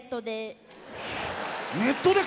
ネットで。